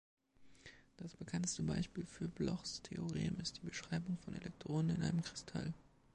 Das bekannteste Beispiel für Blochs Theorem ist die Beschreibung von Elektronen in einem Kristall.